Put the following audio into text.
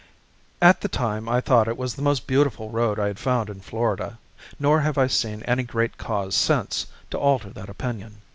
At the time I thought it the most beautiful road I had found in Florida, nor have I seen any great cause since to alter that opinion.